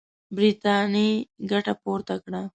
برټانیې ګټه پورته کړه.